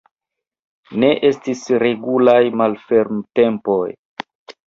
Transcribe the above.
Ne estis regulaj malfermtempoj.